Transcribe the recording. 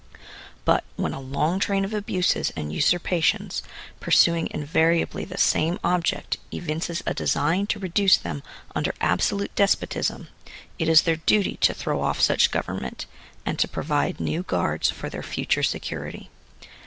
But when a long train of abuses and usurpations, pursuing invariably the same object evinces a design to reduce them under absolute despotism, it is their duty to throw off such government, and to provide new guards for their future security.